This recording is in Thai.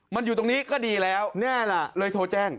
มันอยู่ตรงนี้ก็ดีแล้วแน่ล่ะเลยโทรแจ้ง